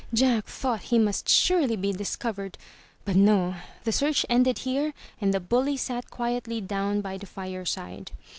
Jack thought he must surely be discovered, but no! the search ended here and the bully sat quietly down by the fireside.